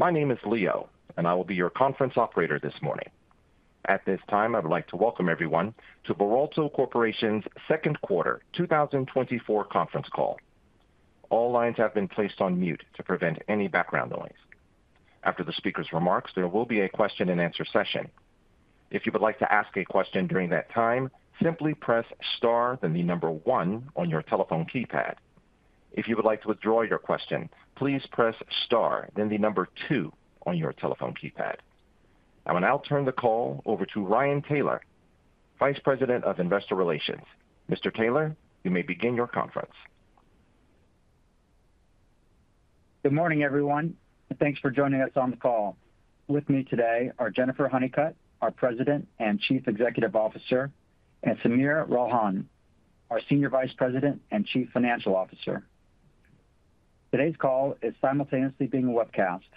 My name is Leo, and I will be your conference operator this morning. At this time, I would like to welcome everyone to Veralto Corporation's Second Quarter 2024 Conference Call. All lines have been placed on mute to prevent any background noise. After the speaker's remarks, there will be a question-and-answer session. If you would like to ask a question during that time, simply press Star, then the number one on your telephone keypad. If you would like to withdraw your question, please press Star, then the number two on your telephone keypad. I will now turn the call over to Ryan Taylor, Vice President of Investor Relations. Mr. Taylor, you may begin your conference. Good morning, everyone, and thanks for joining us on the call. With me today are Jennifer Honeycutt, our President and Chief Executive Officer, and Sameer Ralhan, our Senior Vice President and Chief Financial Officer. Today's call is simultaneously being webcast.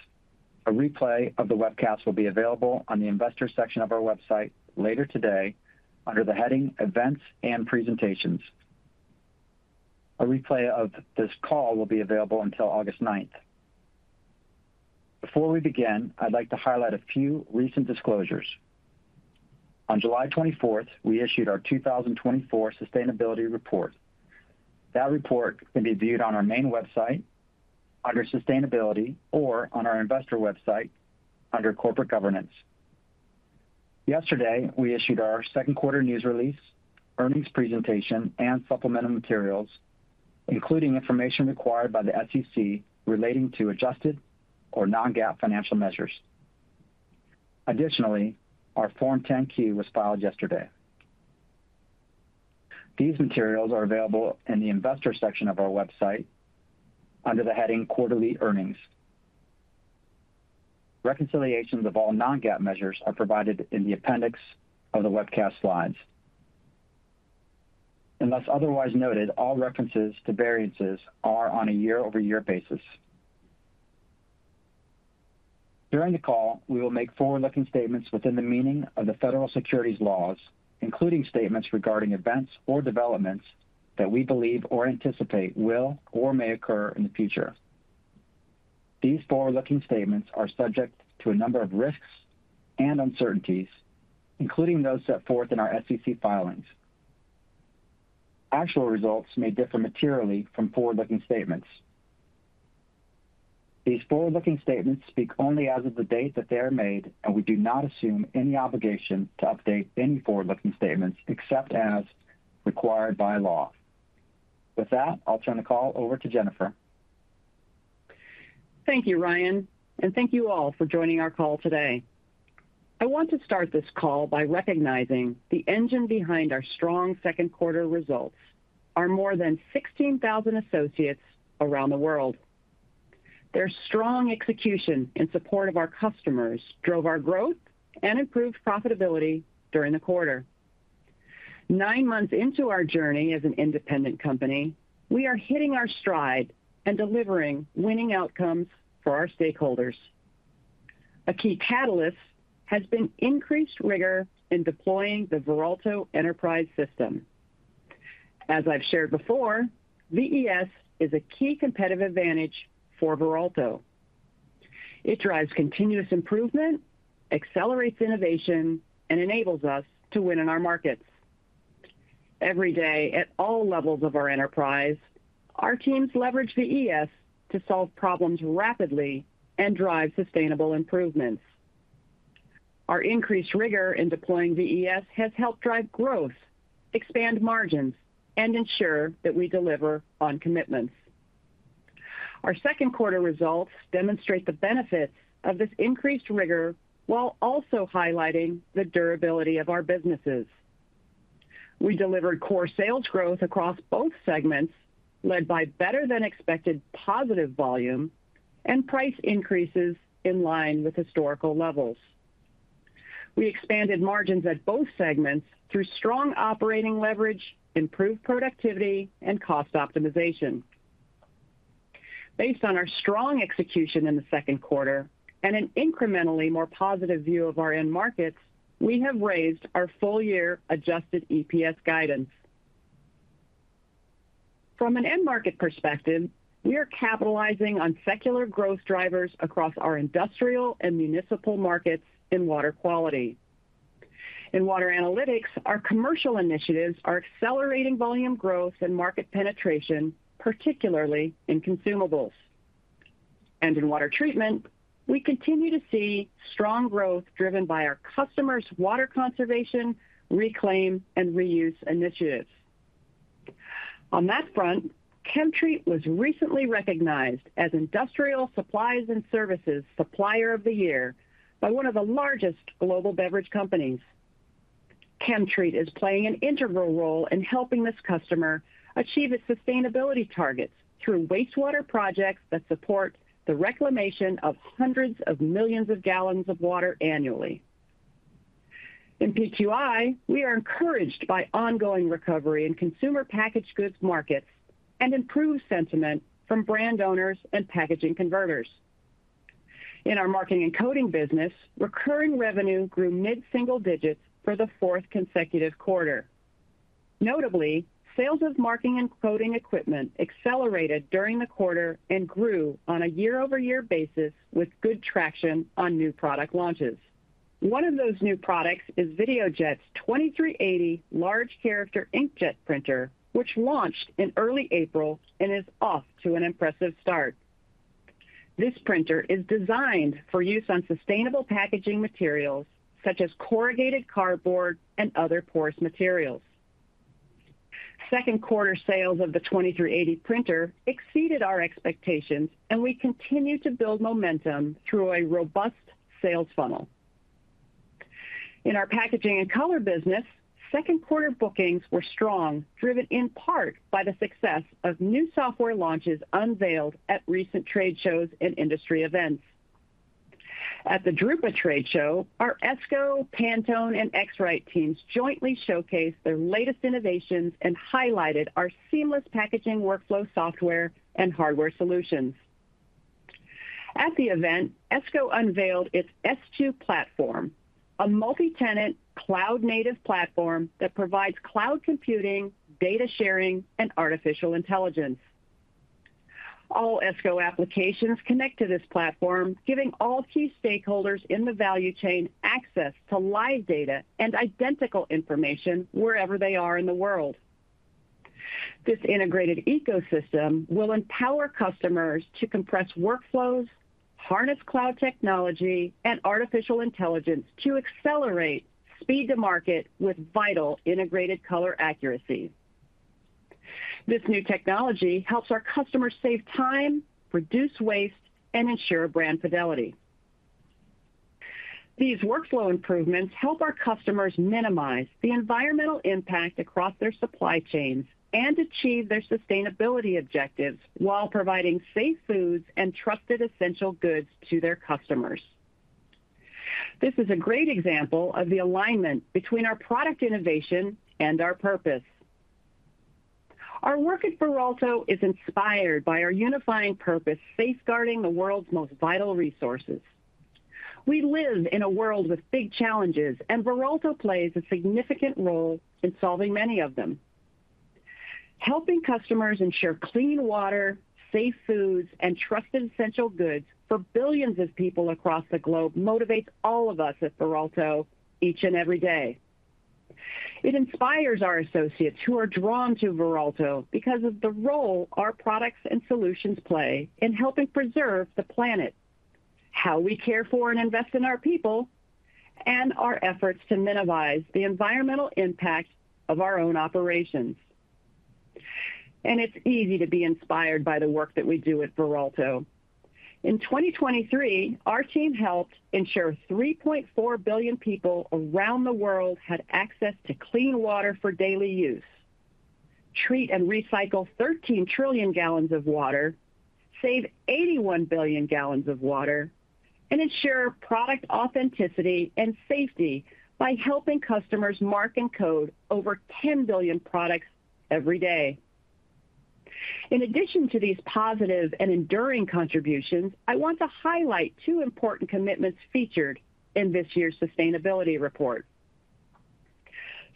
A replay of the webcast will be available on the investor section of our website later today under the heading Events and Presentations. A replay of this call will be available until August 9. Before we begin, I'd like to highlight a few recent disclosures. On 24 July, we issued our 2024 sustainability report. That report can be viewed on our main website under Sustainability, or on our investor website under Corporate Governance. Yesterday, we issued our second quarter news release, earnings presentation, and supplemental materials, including information required by the SEC relating to adjusted or non-GAAP financial measures. Additionally, our Form 10-K was filed yesterday. These materials are available in the investor section of our website under the heading Quarterly Earnings. Reconciliations of all non-GAAP measures are provided in the appendix of the webcast slides. Unless otherwise noted, all references to variances are on a year-over-year basis. During the call, we will make forward-looking statements within the meaning of the Federal securities laws, including statements regarding events or developments that we believe or anticipate will or may occur in the future. These forward-looking statements are subject to a number of risks and uncertainties, including those set forth in our SEC filings. Actual results may differ materially from forward-looking statements. These forward-looking statements speak only as of the date that they are made, and we do not assume any obligation to update any forward-looking statements except as required by law. With that, I'll turn the call over to Jennifer. Thank you, Ryan, and thank you all for joining our call today. I want to start this call by recognizing the engine behind our strong Second Quarter Results are more than 16,000 associates around the world. Their strong execution in support of our customers drove our growth and improved profitability during the quarter. Nine months into our journey as an independent company, we are hitting our stride and delivering winning outcomes for our stakeholders. A key catalyst has been increased rigor in deploying the Veralto Enterprise System. As I've shared before, VES is a key competitive advantage for Veralto. It drives continuous improvement, accelerates innovation, and enables us to win in our markets. Every day, at all levels of our enterprise, our teams leverage VES to solve problems rapidly and drive sustainable improvements. Our increased rigor in deploying VES has helped drive growth, expand margins, and ensure that we deliver on commitments. Our second quarter results demonstrate the benefits of this increased rigor while also highlighting the durability of our businesses. We delivered Core Sales Growth across both segments, led by better-than-expected positive volume and price increases in line with historical levels. We expanded margins at both segments through strong operating leverage, improved productivity, and cost optimization. Based on our strong execution in the second quarter and an incrementally more positive view of our end markets, we have raised our full-year Adjusted EPS guidance. From an end market perspective, we are capitalizing on secular growth drivers across our industrial and municipal markets in water quality. In water analytics, our commercial initiatives are accelerating volume growth and market penetration, particularly in consumables. In water treatment, we continue to see strong growth driven by our customers' water conservation, reclaim, and reuse initiatives. On that front, ChemTreat was recently recognized as Industrial Supplies and Services Supplier of the Year by one of the largest global beverage companies. ChemTreat is playing an integral role in helping this customer achieve its sustainability targets through wastewater projects that support the reclamation of hundreds of millions of gallons of water annually. In PQI, we are encouraged by ongoing recovery in consumer packaged goods markets and improved sentiment from brand owners and packaging converters. In our marking and coding business, recurring revenue grew mid-single digits for the fourth consecutive quarter. Notably, sales of marking and coding equipment accelerated during the quarter and grew on a year-over-year basis with good traction on new product launches. One of those new products is Videojet's 2380 large character inkjet printer, which launched in early April and is off to an impressive start. This printer is designed for use on sustainable packaging materials such as corrugated cardboard and other porous materials. Second quarter sales of the 2380 printer exceeded our expectations, and we continue to build momentum through a robust sales funnel. In our packaging and color business, second quarter bookings were strong, driven in part by the success of new software launches unveiled at recent trade shows and industry events. At the Drupa Trade Show, our Esko, Pantone, and X-Rite teams jointly showcased their latest innovations and highlighted our seamless packaging workflow software and hardware solutions. At the event, Esko unveiled its S2 cloud platform, a multi-tenant cloud-native platform that provides cloud computing, data sharing, and artificial intelligence. All Esko applications connect to this platform, giving all key stakeholders in the value chain access to live data and identical information wherever they are in the world. This integrated ecosystem will empower customers to compress workflows, harness cloud technology and artificial intelligence to accelerate speed to market with vital integrated color accuracy. This new technology helps our customers save time, reduce waste, and ensure brand fidelity. These workflow improvements help our customers minimize the environmental impact across their supply chains and achieve their sustainability objectives while providing safe foods and trusted essential goods to their customers. This is a great example of the alignment between our product innovation and our purpose. Our work at Veralto is inspired by our unifying purpose, safeguarding the world's most vital resources. We live in a world with big challenges, and Veralto plays a significant role in solving many of them. Helping customers ensure clean water, safe foods, and trusted essential goods for billions of people across the globe motivates all of us at Veralto each and every day. It inspires our associates who are drawn to Veralto because of the role our products and solutions play in helping preserve the planet, how we care for and invest in our people, and our efforts to minimize the environmental impact of our own operations. It's easy to be inspired by the work that we do at Veralto. In 2023, our team helped ensure 3.4 billion people around the world had access to clean water for daily use, treat and recycle 13 trillion gallons of water, save 81 billion gallons of water, and ensure product authenticity and safety by helping customers mark and code over 10 billion products every day. In addition to these positive and enduring contributions, I want to highlight two important commitments featured in this year's sustainability report.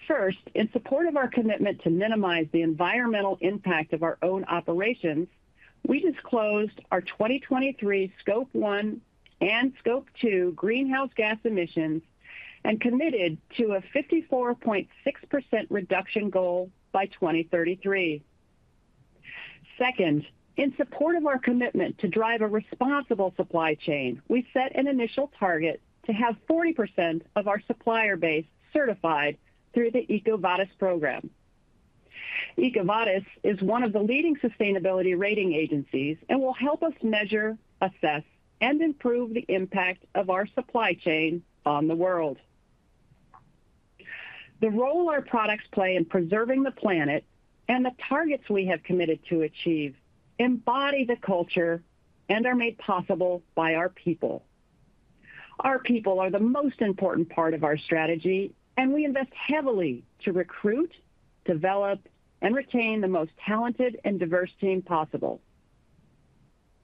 First, in support of our commitment to minimize the environmental impact of our own operations, we disclosed our 2023 Scope 1 and Scope 2 greenhouse gas emissions and committed to a 54.6% reduction goal by 2033. Second, in support of our commitment to drive a responsible supply chain, we set an initial target to have 40% of our supplier base certified through the EcoVadis program. EcoVadis is one of the leading sustainability rating agencies and will help us measure, assess, and improve the impact of our supply chain on the world. The role our products play in preserving the planet and the targets we have committed to achieve embody the culture and are made possible by our people. Our people are the most important part of our strategy, and we invest heavily to recruit, develop, and retain the most talented and diverse team possible.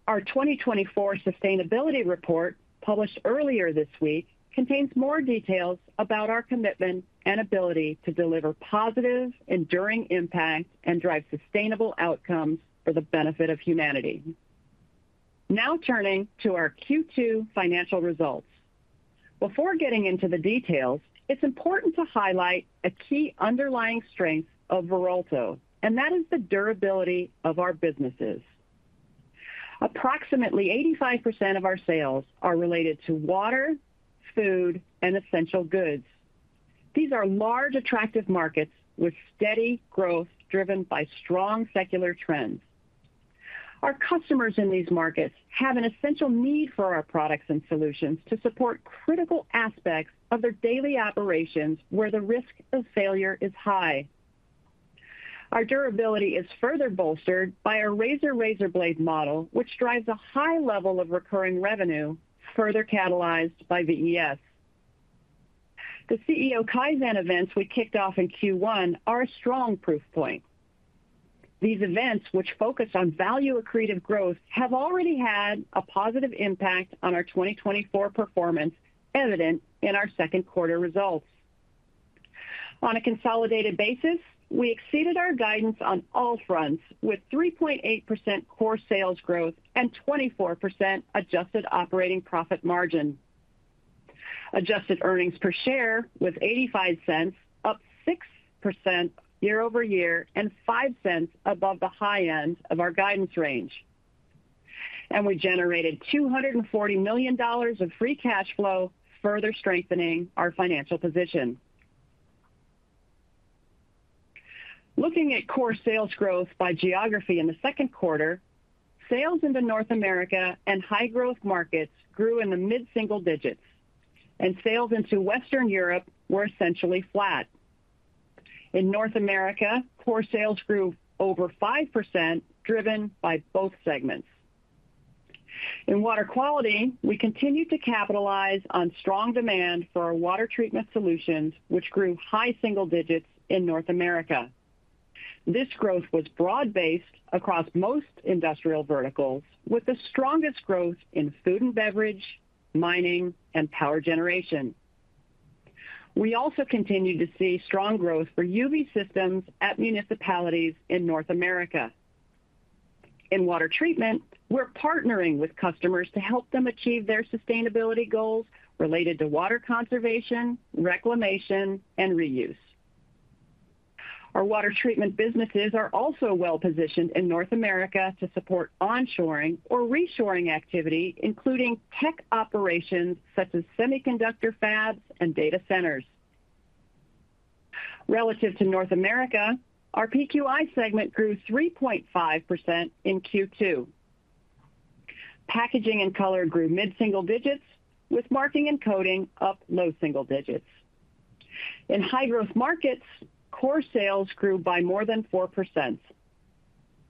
Our 2024 sustainability report, published earlier this week, contains more details about our commitment and ability to deliver positive, enduring impact and drive sustainable outcomes for the benefit of humanity. Now, turning to our Q2 Financial Results. Before getting into the details, it's important to highlight a key underlying strength of Veralto, and that is the durability of our businesses. Approximately 85% of our sales are related to water, food, and essential goods. These are large, attractive markets with steady growth, driven by strong secular trends. Our customers in these markets have an essential need for our products and solutions to support critical aspects of their daily operations, where the risk of failure is high. Our durability is further bolstered by our razor-razorblade model, which drives a high level of recurring revenue, further catalyzed by VES. The CEO Kaizen events we kicked off in Q1 are a strong proof point.... These events, which focus on value accretive growth, have already had a positive impact on our 2024 performance, evident in our second quarter results. On a consolidated basis, we exceeded our guidance on all fronts, with 3.8% core sales growth and 24% adjusted operating profit margin. Adjusted earnings per share was $0.85, up 6% year-over-year, and $0.05 above the high end of our guidance range. We generated $240 million of free cash flow, further strengthening our financial position. Looking at core sales growth by geography in the second quarter, sales into North America and high growth markets grew in the mid-single digits, and sales into Western Europe were essentially flat. In North America, core sales grew over 5%, driven by both segments. In water quality, we continued to capitalize on strong demand for our water treatment solutions, which grew high single digits in North America. This growth was broad-based across most industrial verticals, with the strongest growth in food and beverage, mining, and power generation. We also continued to see strong growth for UV systems at municipalities in North America. In water treatment, we're partnering with customers to help them achieve their sustainability goals related to water conservation, reclamation, and reuse. Our water treatment businesses are also well-positioned in North America to support onshoring or reshoring activity, including tech operations such as semiconductor fabs and data centers. Relative to North America, our PQI segment grew 3.5% in Q2. Packaging and color grew mid-single digits, with marking and coding up low single digits. In high-growth markets, core sales grew by more than 4%.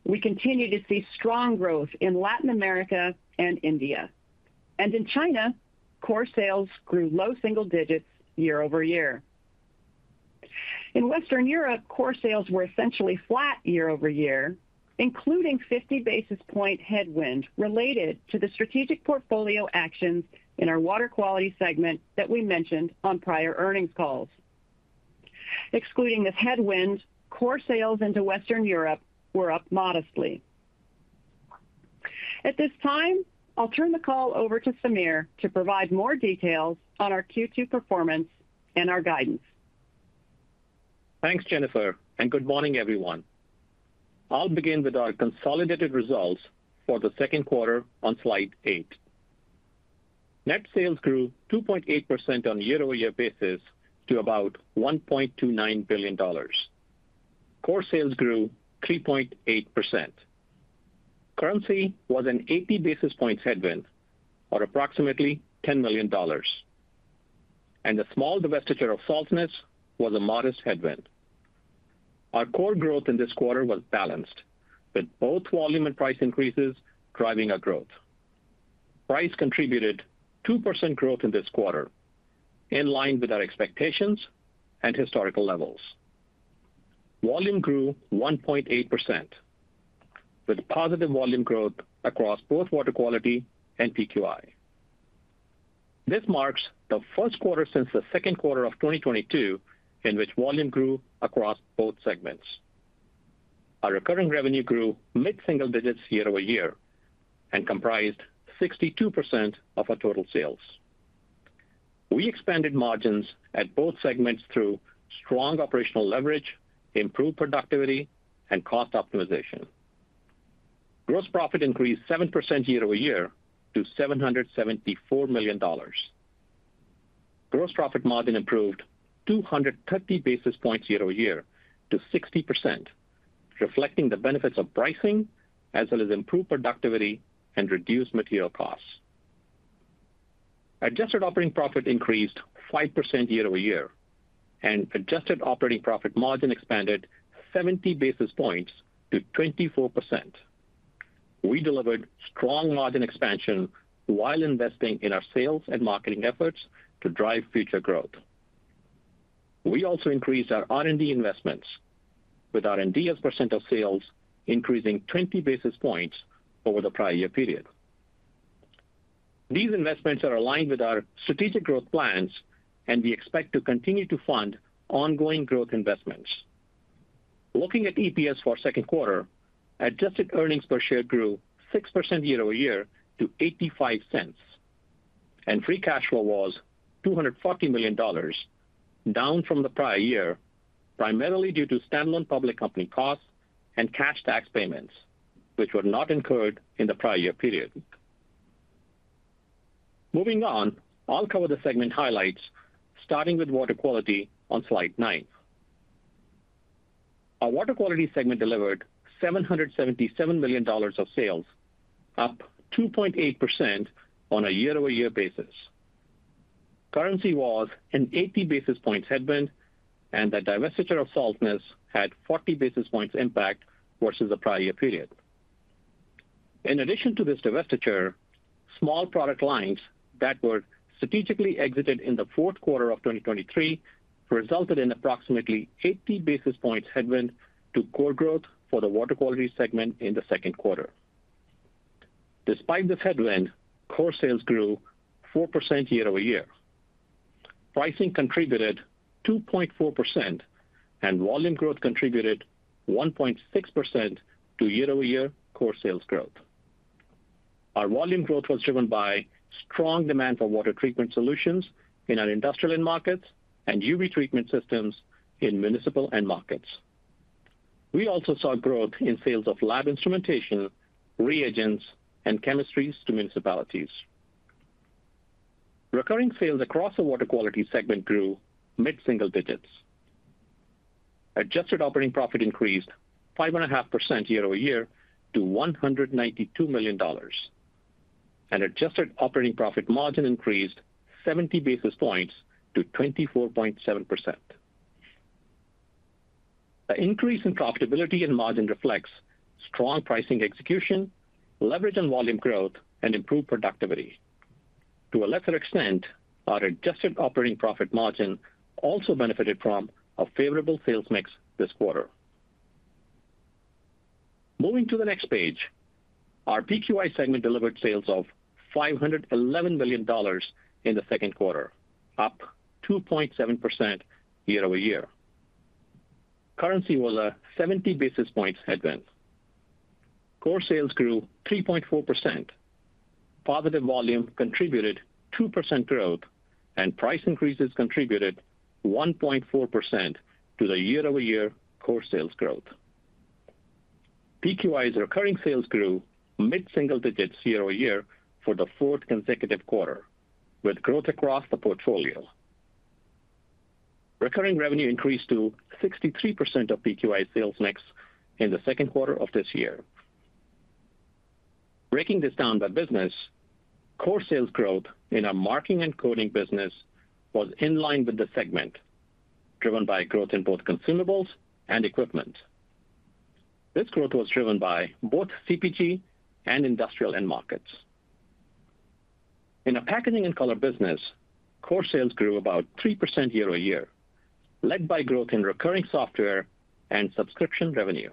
We continue to see strong growth in Latin America and India. In China, core sales grew low single digits year-over-year. In Western Europe, core sales were essentially flat year-over-year, including 50 basis points headwind related to the strategic portfolio actions in our water quality segment that we mentioned on prior earnings calls. Excluding this headwind, core sales into Western Europe were up modestly. At this time, I'll turn the call over to Sameer to provide more details on our Q2 performance and our guidance. Thanks, Jennifer, and good morning, everyone. I'll begin with our consolidated results for the second quarter on slide 8. Net sales grew 2.8% on a year-over-year basis to about $1.29 billion. Core sales grew 3.8%. Currency was an 80 basis points headwind, or approximately $10 million, and the small divestiture of Salsnes was a modest headwind. Our core growth in this quarter was balanced, with both volume and price increases driving our growth. Price contributed 2% growth in this quarter, in line with our expectations and historical levels. Volume grew 1.8%, with positive volume growth across both water quality and PQI. This marks the first quarter since the second quarter of 2022 in which volume grew across both segments. Our recurring revenue grew mid-single digits year-over-year and comprised 62% of our total sales. We expanded margins at both segments through strong operational leverage, improved productivity, and cost optimization. Gross profit increased 7% year-over-year to $774 million. Gross profit margin improved 230 basis points year-over-year to 60%, reflecting the benefits of pricing, as well as improved productivity and reduced material costs. Adjusted operating profit increased 5% year-over-year, and adjusted operating profit margin expanded 70 basis points to 24%. We delivered strong margin expansion while investing in our sales and marketing efforts to drive future growth. We also increased our R&D investments, with R&D as percent of sales increasing 20 basis points over the prior year period. These investments are aligned with our strategic growth plans, and we expect to continue to fund ongoing growth investments. Looking at EPS for second quarter, adjusted earnings per share grew 6% year-over-year to $0.85, and free cash flow was $240 million, down from the prior year, primarily due to standalone public company costs and cash tax payments, which were not incurred in the prior year period. Moving on, I'll cover the segment highlights, starting with water quality on slide nine. Our water quality segment delivered $777 million of sales, up 2.8% on a year-over-year basis. Currency was an 80 basis points headwind, and the divestiture of Salsnes had 40 basis points impact versus the prior year period. In addition to this divestiture, small product lines that were strategically exited in the fourth quarter of 2023 resulted in approximately 80 basis points headwind to core growth for the water quality segment in the second quarter. Despite this headwind, core sales grew 4% year-over-year. Pricing contributed 2.4%, and volume growth contributed 1.6% to year-over-year core sales growth. Our volume growth was driven by strong demand for water treatment solutions in our industrial end markets and UV treatment systems in municipal end markets. We also saw growth in sales of lab instrumentation, reagents, and chemistries to municipalities. Recurring sales across the water quality segment grew mid-single digits. Adjusted operating profit increased 5.5% year-over-year to $192 million, and adjusted operating profit margin increased 70 basis points to 24.7%. The increase in profitability and margin reflects strong pricing execution, leverage and volume growth, and improved productivity. To a lesser extent, our Adjusted Operating Profit margin also benefited from a favorable sales mix this quarter. Moving to the next page, our PQI segment delivered sales of $511 million in the second quarter, up 2.7% year-over-year. Currency was a 70 basis points headwind. Core sales grew 3.4%. Positive volume contributed 2% growth, and price increases contributed 1.4% to the year-over-year core sales growth. PQI's recurring sales grew mid-single digits year-over-year for the fourth consecutive quarter, with growth across the portfolio. Recurring revenue increased to 63% of PQI sales mix in the second quarter of this year. Breaking this down by business, core sales growth in our marking and coding business was in line with the segment, driven by growth in both consumables and equipment. This growth was driven by both CPG and industrial end markets. In our packaging and color business, core sales grew about 3% year-over-year, led by growth in recurring software and subscription revenue.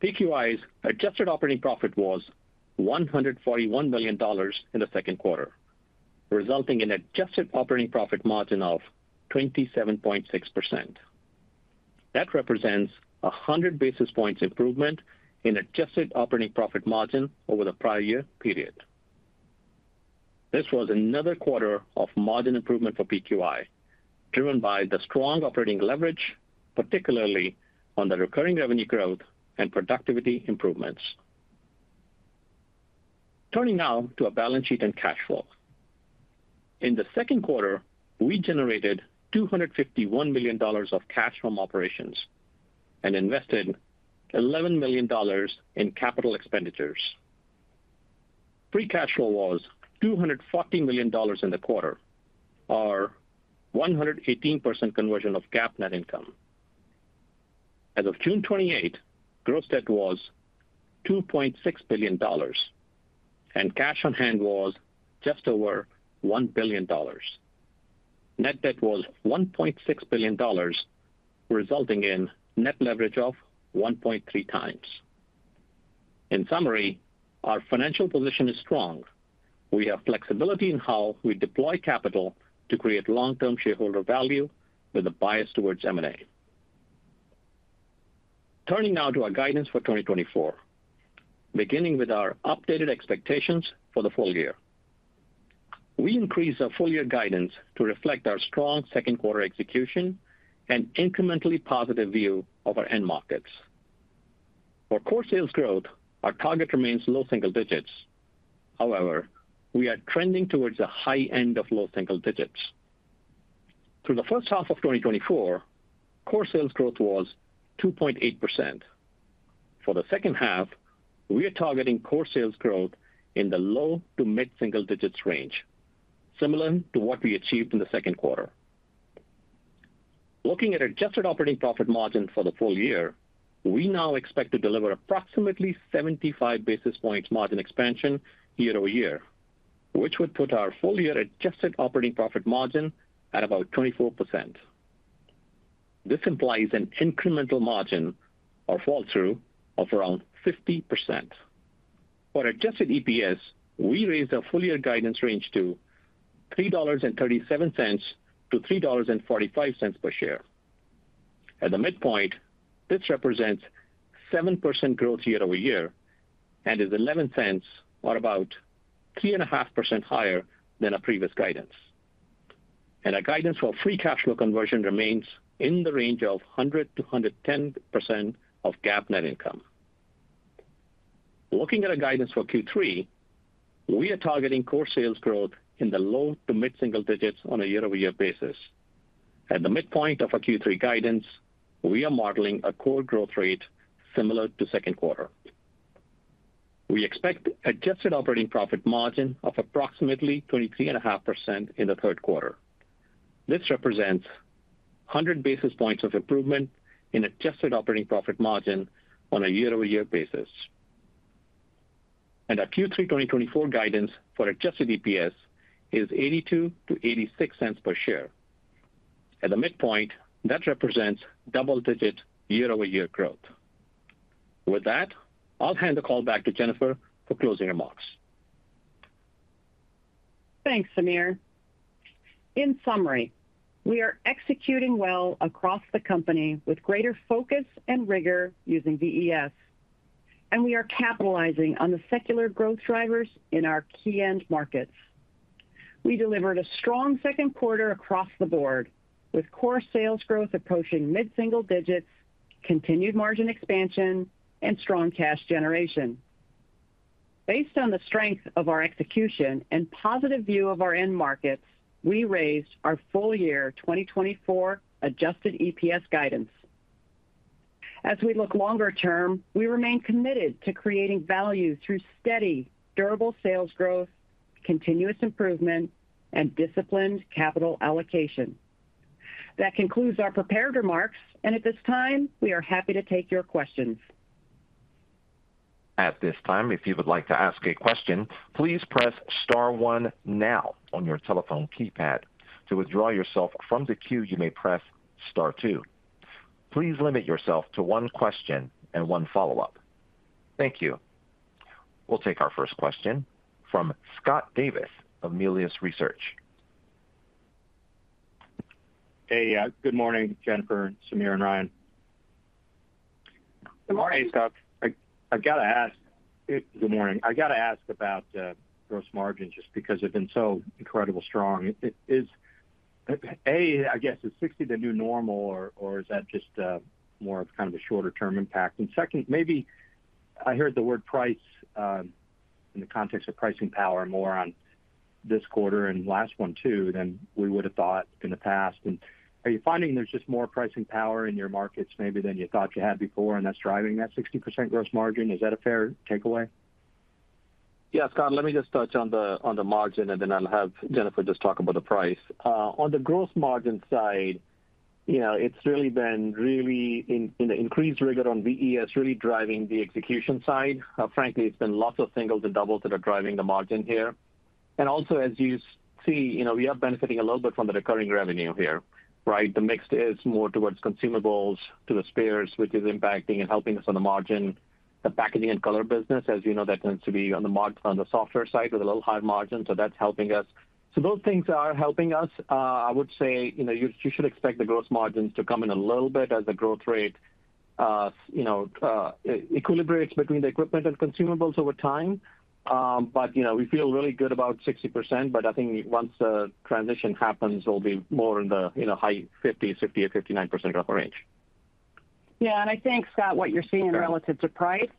PQI's adjusted operating profit was $141 million in the second quarter, resulting in adjusted operating profit margin of 27.6%. That represents a 100 basis points improvement in adjusted operating profit margin over the prior year period. This was another quarter of margin improvement for PQI, driven by the strong operating leverage, particularly on the recurring revenue growth and productivity improvements. Turning now to our balance sheet and cash flow. In the second quarter, we generated $251 million of cash from operations and invested $11 million in capital expenditures. Free cash flow was $240 million in the quarter, or 118% conversion of GAAP net income. As of 28 June, gross debt was $2.6 billion, and cash on hand was just over $1 billion. Net debt was $1.6 billion, resulting in net leverage of 1.3 times. In summary, our financial position is strong. We have flexibility in how we deploy capital to create long-term shareholder value with a bias towards M&A. Turning now to our guidance for 2024, beginning with our updated expectations for the full year. We increased our full year guidance to reflect our strong second quarter execution and incrementally positive view of our end markets. For core sales growth, our target remains low single digits. However, we are trending towards the high end of low single digits. Through the first half of 2024, core sales growth was 2.8%. For the second half, we are targeting core sales growth in the low to mid-single digits range, similar to what we achieved in the second quarter. Looking at adjusted operating profit margin for the full year, we now expect to deliver approximately 75 basis points margin expansion year-over-year, which would put our full year adjusted operating profit margin at about 24%. This implies an incremental margin or fall-through of around 50%. For adjusted EPS, we raised our full year guidance range to $3.37-$3.45 per share. At the midpoint, this represents 7% growth year-over-year and is $0.11, or about 3.5% higher than our previous guidance. Our guidance for free cash flow conversion remains in the range of 100%-110% of GAAP net income. Looking at our guidance for Q3, we are targeting core sales growth in the low to mid-single digits on a year-over-year basis. At the midpoint of our Q3 guidance, we are modeling a core growth rate similar to second quarter. We expect adjusted operating profit margin of approximately 23.5% in the third quarter. This represents 100 basis points of improvement in adjusted operating profit margin on a year-over-year basis. Our Q3 2024 guidance for adjusted EPS is $0.82-$0.86 per share. At the midpoint, that represents double-digit year-over-year growth. With that, I'll hand the call back to Jennifer for closing remarks. Thanks, Sameer. In summary, we are executing well across the company with greater focus and rigor using VES, and we are capitalizing on the secular growth drivers in our key end markets. We delivered a strong second quarter across the board, with core sales growth approaching mid-single digits, continued margin expansion, and strong cash generation. Based on the strength of our execution and positive view of our end markets, we raised our full-year 2024 adjusted EPS guidance. As we look longer term, we remain committed to creating value through steady, durable sales growth, continuous improvement, and disciplined capital allocation. That concludes our prepared remarks, and at this time, we are happy to take your questions. At this time, if you would like to ask a question, please press star one now on your telephone keypad. To withdraw yourself from the queue, you may press star two. Please limit yourself to one question and one follow-up. Thank you. We'll take our first question from Scott Davis of Melius Research. Hey, good morning, Jennifer, Sameer, and Ryan. Good morning, Scott. I've got to ask... Good morning. I got to ask about gross margin, just because they've been so incredibly strong. It is, I guess, is 60 the new normal, or is that just more of kind of a shorter term impact? And second, maybe I heard the word price in the context of pricing power, more on this quarter and last one, too, than we would have thought in the past. And are you finding there's just more pricing power in your markets, maybe, than you thought you had before, and that's driving that 60% gross margin? Is that a fair takeaway? Yeah, Scott, let me just touch on the, on the margin, and then I'll have Jennifer just talk about the price. On the gross margin side, you know, it's really been the increased rigor on VES, really driving the execution side. Frankly, it's been lots of singles and doubles that are driving the margin here. And also, as you see, you know, we are benefiting a little bit from the recurring revenue here, right? The mix is more towards consumables to the spares, which is impacting and helping us on the margin. The packaging and color business, as you know, that tends to be on the software side with a little higher margin, so that's helping us. So those things are helping us. I would say, you know, you should expect the gross margins to come in a little bit as the growth rate, you know, equilibrates between the equipment and consumables over time. But, you know, we feel really good about 60%, but I think once the transition happens, we'll be more in the, you know, high 50, 50, or 59% roughly range. Yeah, and I think, Scott, what you're seeing relative to price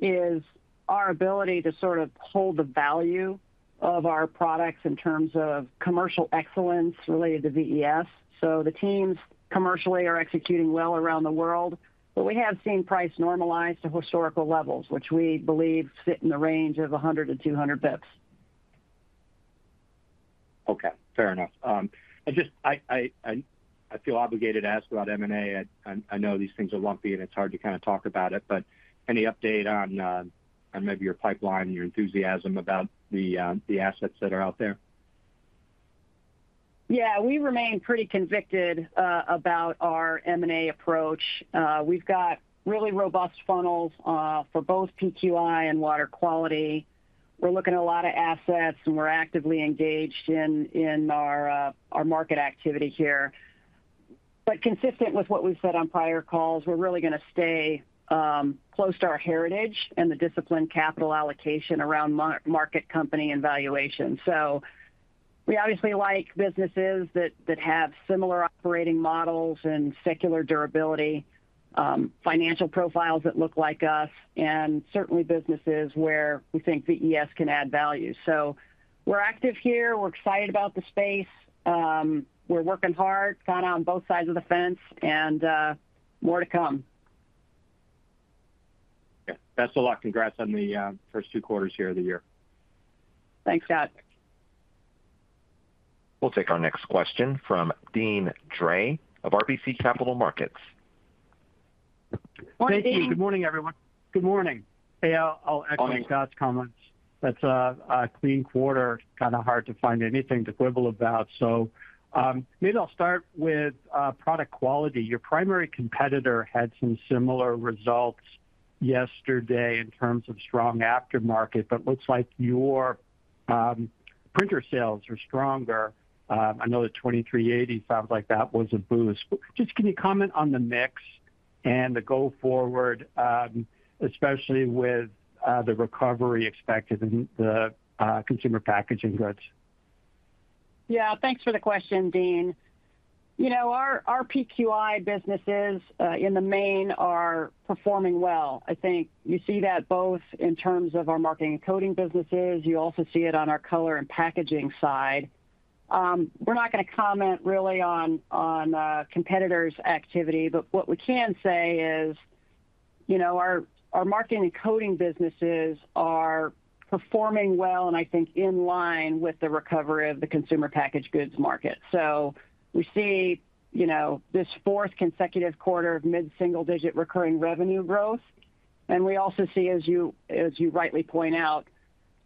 is our ability to sort of hold the value of our products in terms of commercial excellence related to VES. The teams commercially are executing well around the world, but we have seen price normalize to historical levels, which we believe sit in the range of 100-200 basis points. Okay, fair enough. I just feel obligated to ask about M&A. I know these things are lumpy, and it's hard to kind of talk about it, but any update on maybe your pipeline and your enthusiasm about the assets that are out there? Yeah, we remain pretty convicted about our M&A approach. We've got really robust funnels for both PQI and water quality. We're looking at a lot of assets, and we're actively engaged in our market activity here. But consistent with what we've said on prior calls, we're really going to stay close to our heritage and the disciplined capital allocation around market, company, and valuation. So we obviously like businesses that have similar operating models and secular durability, financial profiles that look like us, and certainly businesses where we think VES can add value. So we're active here. We're excited about the space. We're working hard, kind of on both sides of the fence, and more to come. Okay. Best of luck. Congrats on the first two quarters here of the year. Thanks, Scott. We'll take our next question from Deane Dray of RBC Capital Markets. Morning, Dean. Good morning, everyone. Good morning. Hey, I'll echo Scott's comments. That's a clean quarter, kind of hard to find anything to quibble about. So, maybe I'll start with product quality. Your primary competitor had some similar results yesterday in terms of strong aftermarket, but looks like your printer sales are stronger. I know the 2380 sounds like that was a boost. Just can you comment on the mix and the go forward, especially with the recovery expected in the consumer packaging goods? Yeah. Thanks for the question, Dean. You know, our PQI businesses, in the main, are performing well. I think you see that both in terms of our marketing and coding businesses. You also see it on our color and packaging side. We're not going to comment really on competitors' activity, but what we can say is, you know, our marketing and coding businesses are performing well, and I think in line with the recovery of the consumer packaged goods market. So we see, you know, this fourth consecutive quarter of mid-single digit recurring revenue growth. And we also see, as you rightly point out,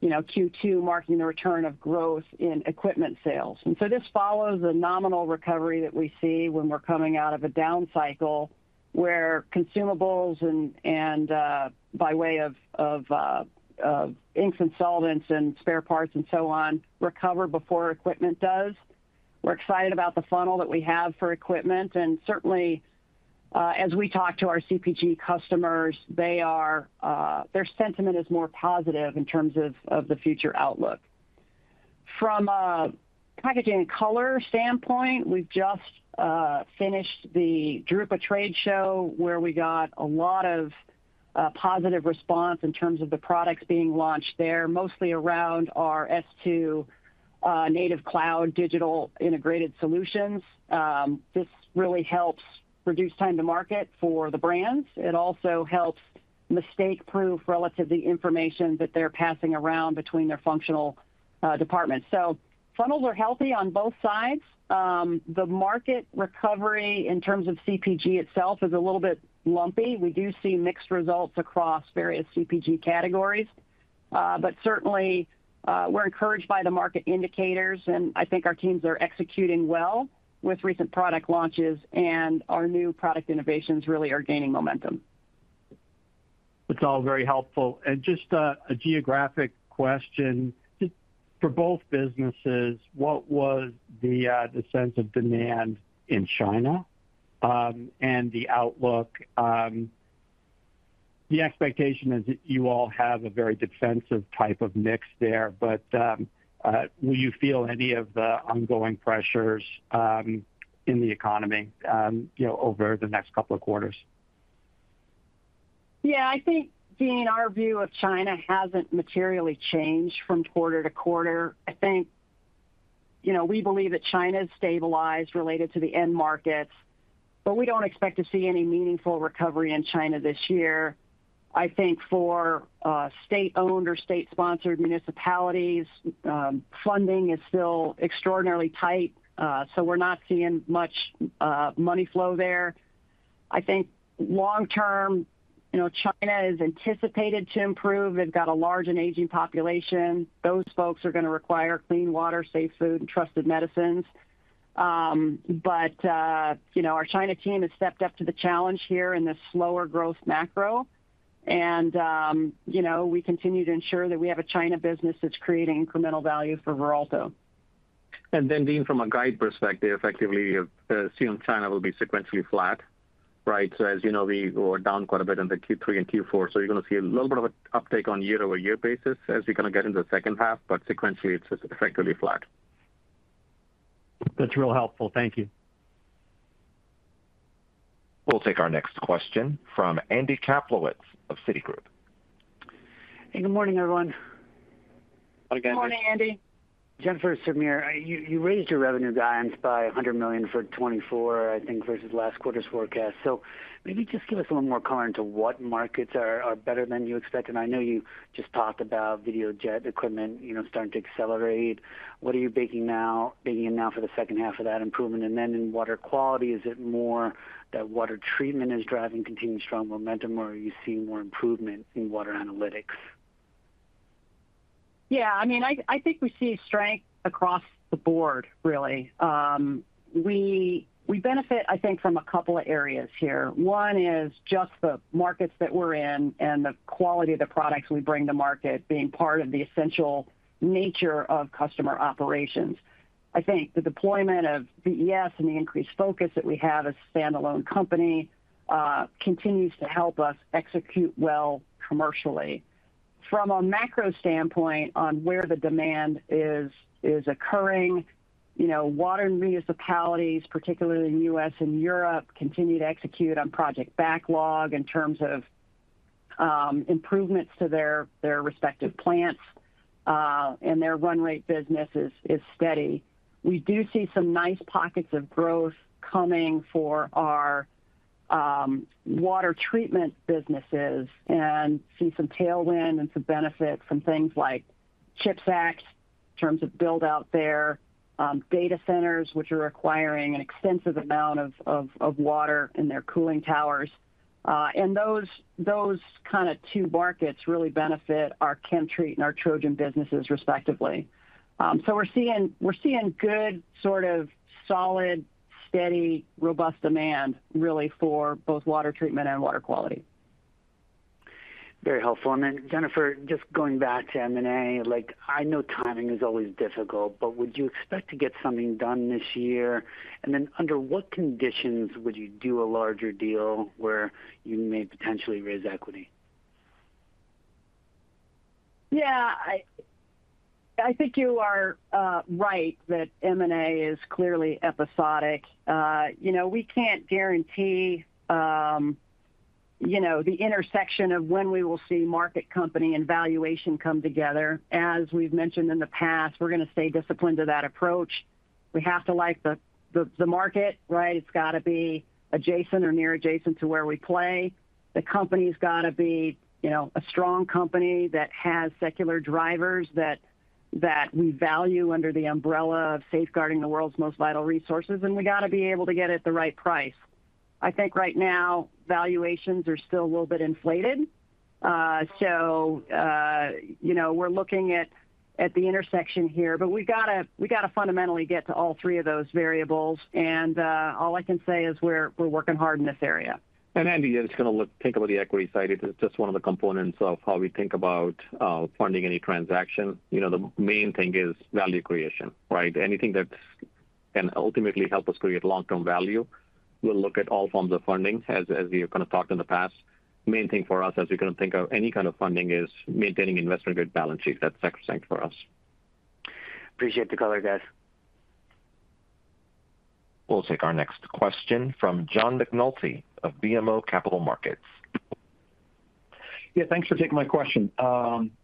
you know, Q2 marking the return of growth in equipment sales. This follows a nominal recovery that we see when we're coming out of a down cycle, where consumables and by way of inks and solvents and spare parts and so on recover before equipment does. We're excited about the funnel that we have for equipment, and certainly as we talk to our CPG customers, they are their sentiment is more positive in terms of the future outlook. From a packaging and color standpoint, we've just finished the Drupa trade show, where we got a lot of positive response in terms of the products being launched there, mostly around our S2 native cloud digital integrated solutions. This really helps reduce time to market for the brands. It also helps mistake-proof relative the information that they're passing around between their functional departments. So funnels are healthy on both sides. The market recovery in terms of CPG itself is a little bit lumpy. We do see mixed results across various CPG categories. But certainly, we're encouraged by the market indicators, and I think our teams are executing well with recent product launches, and our new product innovations really are gaining momentum. It's all very helpful. Just a geographic question. Just for both businesses, what was the sense of demand in China, and the outlook? The expectation is that you all have a very defensive type of mix there, but will you feel any of the ongoing pressures in the economy, you know, over the next couple of quarters? Yeah, I think, Dean, our view of China hasn't materially changed from quarter to quarter. I think, you know, we believe that China is stabilized related to the end markets, but we don't expect to see any meaningful recovery in China this year. I think for state-owned or state-sponsored municipalities, funding is still extraordinarily tight, so we're not seeing much money flow there. I think long term, you know, China is anticipated to improve. They've got a large and aging population. Those folks are gonna require clean water, safe food, and trusted medicines. But you know, our China team has stepped up to the challenge here in this slower growth macro. And you know, we continue to ensure that we have a China business that's creating incremental value for Veralto. And then, Dean, from a guide perspective, effectively, you have seen China will be sequentially flat, right? So as you know, we were down quite a bit in the Q3 and Q4, so you're gonna see a little bit of an uptake on year-over-year basis as we kind of get into the second half, but sequentially, it's effectively flat. That's real helpful. Thank you. We'll take our next question from Andy Kaplowitz of Citigroup. Hey, good morning, everyone. Good morning. Good morning, Andy. Jennifer, Sameer, you raised your revenue guidance by $100 million for 2024, I think, versus last quarter's forecast. So maybe just give us a little more color into what markets are better than you expected. I know you just talked about Videojet equipment, you know, starting to accelerate. What are you baking now, baking in now for the second half of that improvement? And then in water quality, is it more that water treatment is driving continued strong momentum, or are you seeing more improvement in water analytics? Yeah, I mean, I think we see strength across the board, really. We benefit, I think, from a couple of areas here. One is just the markets that we're in and the quality of the products we bring to market being part of the essential nature of customer operations. I think the deployment of VES and the increased focus that we have as a standalone company continues to help us execute well commercially. From a macro standpoint on where the demand is occurring, you know, water and municipalities, particularly in the U.S. and Europe, continue to execute on project backlog in terms of improvements to their respective plants, and their run rate business is steady. We do see some nice pockets of growth coming for our water treatment businesses and see some tailwind and some benefit from things like CHIPS Act, in terms of build out there, data centers, which are requiring an extensive amount of water in their cooling towers. And those kind of two markets really benefit our ChemTreat and our Trojan businesses, respectively. So we're seeing good, sort of solid, steady, robust demand, really, for both water treatment and water quality. Very helpful. And then, Jennifer, just going back to M&A, like, I know timing is always difficult, but would you expect to get something done this year? And then under what conditions would you do a larger deal where you may potentially raise equity? Yeah, I think you are right, that M&A is clearly episodic. You know, we can't guarantee, you know, the intersection of when we will see market company and valuation come together. As we've mentioned in the past, we're gonna stay disciplined to that approach. We have to like the market, right? It's gotta be adjacent or near adjacent to where we play. The company's gotta be, you know, a strong company that has secular drivers that we value under the umbrella of safeguarding the world's most vital resources, and we gotta be able to get it at the right price. I think right now, valuations are still a little bit inflated. So, you know, we're looking at the intersection here, but we gotta fundamentally get to all three of those variables. All I can say is we're working hard in this area. And Andy, I'm just gonna think about the equity side. It is just one of the components of how we think about funding any transaction. You know, the main thing is value creation, right? Anything that's gonna ultimately help us create long-term value. We'll look at all forms of funding, as we have kind of talked in the past. Main thing for us, as we kind of think of any kind of funding, is maintaining investment-grade balance sheet. That's sacrosanct for us. Appreciate the color, guys. We'll take our next question from John McNulty of BMO Capital Markets. Yeah, thanks for taking my question.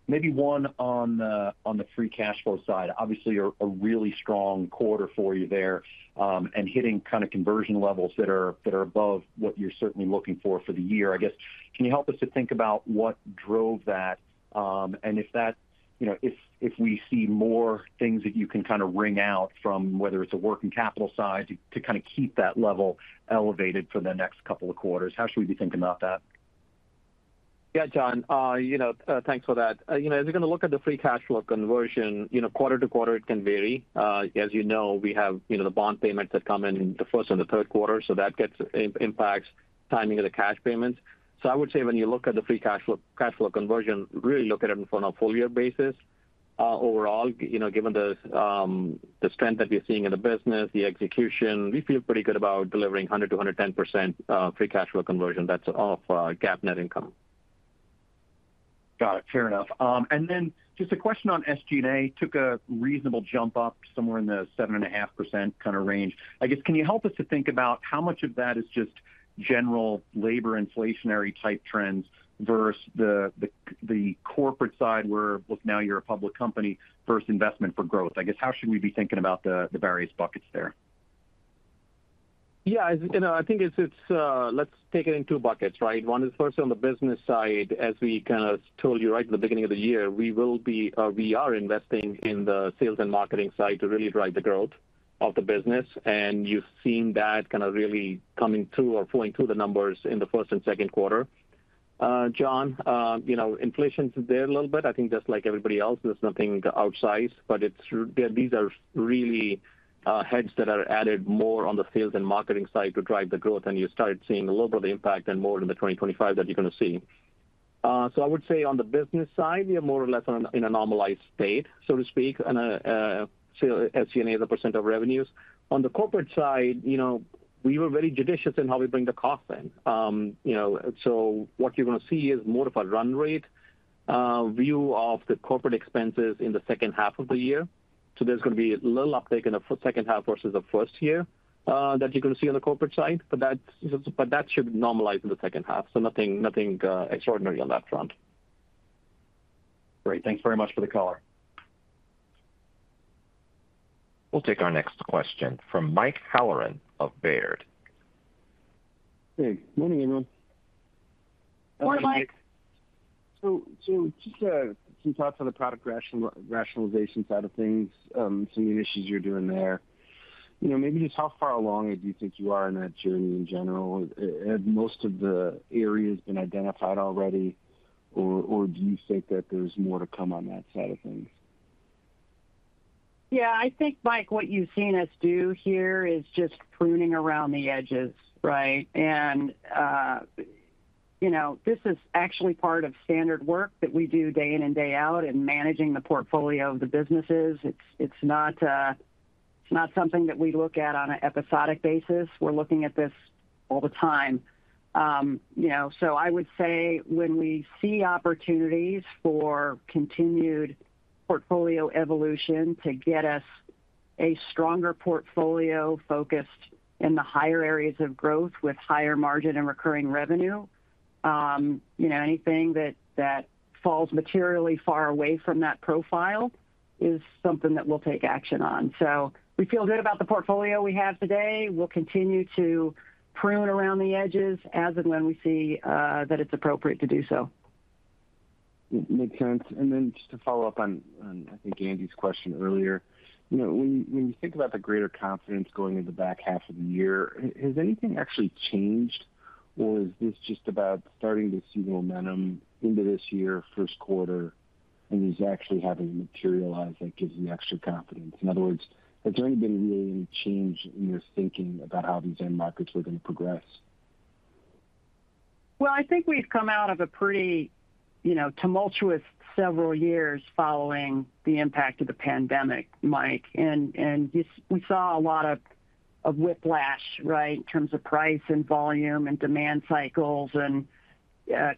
Maybe one on the free cash flow side. Obviously, a really strong quarter for you there, and hitting kind of conversion levels that are above what you're certainly looking for for the year. I guess, can you help us to think about what drove that? And if that, you know, if we see more things that you can kind of wring out from, whether it's the working capital side, to kind of keep that level elevated for the next couple of quarters, how should we be thinking about that? Yeah, John, you know, thanks for that. You know, as you're gonna look at the free cash flow conversion, you know, quarter to quarter, it can vary. As you know, we have, you know, the bond payments that come in the first and the third quarter, so that impacts timing of the cash payments. So I would say, when you look at the free cash flow, cash flow conversion, really look at it from a full year basis. Overall, you know, given the, the strength that we're seeing in the business, the execution, we feel pretty good about delivering 100%-110%, free cash flow conversion. That's off GAAP net income. Got it. Fair enough. And then just a question on SG&A. Took a reasonable jump up to somewhere in the 7.5% kind of range. I guess, can you help us to think about how much of that is just general labor inflationary type trends versus the corporate side, where, look, now you're a public company, first investment for growth? I guess, how should we be thinking about the various buckets there? Yeah, as you know, I think it's. Let's take it in two buckets, right? One is first on the business side. As we kind of told you right at the beginning of the year, we will be, we are investing in the sales and marketing side to really drive the growth of the business, and you've seen that kind of really coming through or flowing through the numbers in the first and second quarter. John, you know, inflation's there a little bit. I think just like everybody else, there's nothing outsized, but it's true, these are really, heads that are added more on the sales and marketing side to drive the growth, and you started seeing a little bit of the impact and more in the 2025 that you're gonna see. So I would say on the business side, we are more or less in a normalized state, so to speak, and so SG&A as a percent of revenues. On the corporate side, you know, we were very judicious in how we bring the cost in. You know, so what you're gonna see is more of a run rate view of the corporate expenses in the second half of the year. So there's gonna be a little uptick in the second half versus the first year, that you're gonna see on the corporate side, but that should normalize in the second half. So nothing extraordinary on that front. Great. Thanks very much for the color. We'll take our next question from Mike Halloran of Baird. Hey, good morning, everyone. So, just some thoughts on the product rationalization side of things, some of the initiatives you're doing there. You know, maybe just how far along do you think you are in that journey in general? Have most of the areas been identified already, or do you think that there's more to come on that side of things? Yeah, I think, Mike, what you've seen us do here is just pruning around the edges, right? And, you know, this is actually part of standard work that we do day in and day out in managing the portfolio of the businesses. It's not something that we look at on an episodic basis. We're looking at this all the time. You know, so I would say when we see opportunities for continued portfolio evolution to get us a stronger portfolio focused in the higher areas of growth with higher margin and recurring revenue, you know, anything that falls materially far away from that profile is something that we'll take action on. So we feel good about the portfolio we have today. We'll continue to prune around the edges as and when we see that it's appropriate to do so. Makes sense. And then just to follow up on, I think, Andy's question earlier, you know, when you think about the greater confidence going into the back half of the year, has anything actually changed, or is this just about starting to see momentum into this year, first quarter, and you actually having it materialize, that gives you extra confidence? In other words, has there been really any change in your thinking about how these end markets were going to progress? Well, I think we've come out of a pretty, you know, tumultuous several years following the impact of the pandemic, Mike, and we saw a lot of whiplash, right, in terms of price and volume and demand cycles and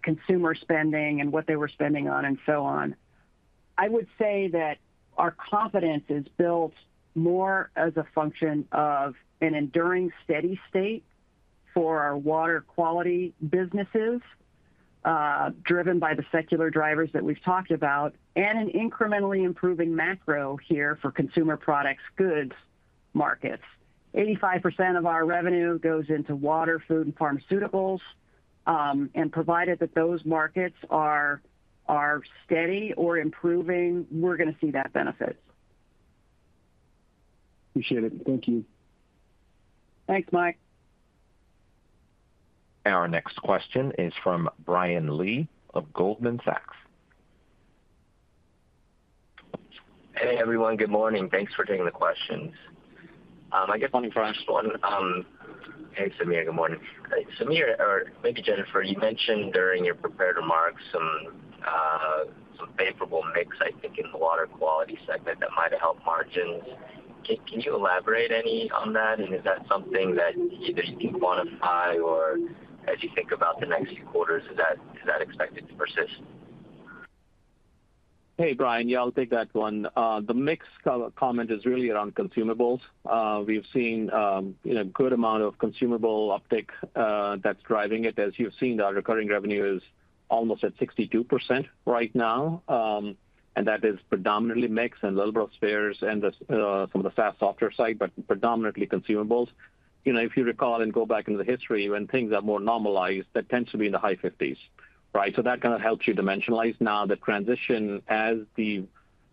consumer spending and what they were spending on and so on. I would say that our confidence is built more as a function of an enduring steady state for our water quality businesses, driven by the secular drivers that we've talked about, and an incrementally improving macro here for consumer products goods markets. 85% of our revenue goes into water, food, and pharmaceuticals. And provided that those markets are steady or improving, we're gonna see that benefit. Appreciate it. Thank you. Thanks, Mike. Our next question is from Brian Lee of Goldman Sachs. Hey, everyone. Good morning. Thanks for taking the questions. I guess, the first one, hey, Sameer, good morning. Sameer, or maybe Jennifer, you mentioned during your prepared remarks some favorable mix, I think, in the water quality segment that might have helped margins. Can you elaborate any on that? And is that something that either you can quantify or as you think about the next few quarters, is that expected to persist? Hey, Brian. Yeah, I'll take that one. The mix comment is really around consumables. We've seen a good amount of consumable uptick that's driving it. As you've seen, our recurring revenue is almost at 62% right now. And that is predominantly mix and little spares and the some of the SaaS software side, but predominantly consumables. You know, if you recall and go back into the history, when things are more normalized, that tends to be in the high 50s, right? So that kind of helps you dimensionalize. Now, the transition as the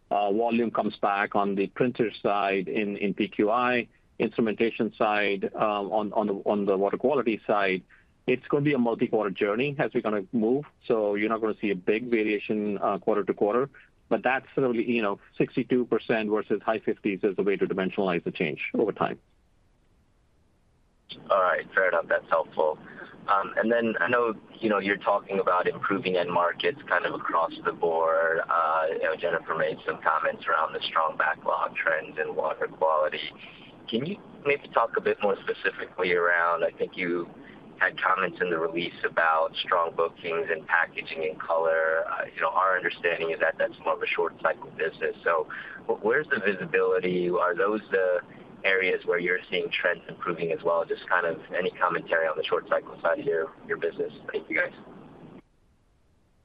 volume comes back on the printer side in PQI, instrumentation side, on the water quality side, it's gonna be a multi-quarter journey as we kind of move. So you're not gonna see a big variation, quarter to quarter, but that's sort of, you know, 62% versus high 50s% is the way to dimensionalize the change over time. All right. Fair enough. That's helpful. And then I know, you know, you're talking about improving end markets kind of across the board. You know, Jennifer made some comments around the strong backlog trends in water quality. Can you maybe talk a bit more specifically around... I think you had comments in the release about strong bookings and packaging in color. You know, our understanding is that that's more of a short cycle business. So where's the visibility? Are those the areas where you're seeing trends improving as well? Just kind of any commentary on the short cycle side of your, your business. Thank you, guys.